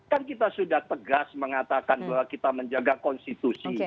kan kita sudah tegas mengatakan bahwa kita menjaga konstitusi